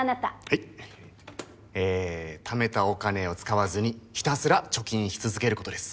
えためたお金を使わずにひたすら貯金し続けることです。